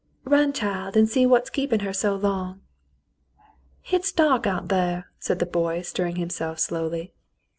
"Run, child, an' see what's keepin' her so long." "Hit's dark out thar," said the boy, stirring himself slowly.